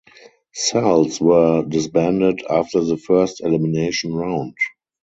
Cells were disbanded after the first elimination round.